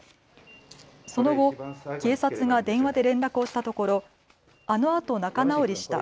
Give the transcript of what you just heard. その後、警察が電話で連絡をしたところ、あのあと仲直りした。